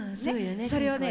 それをね